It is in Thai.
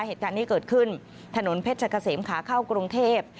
เหตุการณ์นี้เกิดขึ้นถนนเพชรกะเสมขาเข้ากรุงเทพ